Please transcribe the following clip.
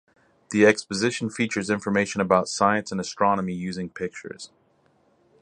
The exposition features information about science and astronomy using pictures.